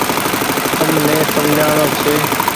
تم ني سمجهآڻو ڇي۔